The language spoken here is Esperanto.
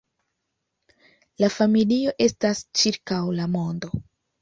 La familio estas ĉirkaŭ la mondo.